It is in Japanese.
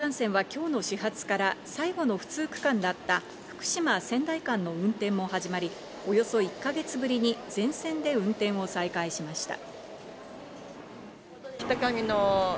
東北新幹線は今日の始発から最後の不通区間だった福島−仙台間の運転も始まり、およそ１か月ぶりに全線で運転を再開しました。